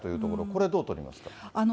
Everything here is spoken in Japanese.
これ、どう取りますか。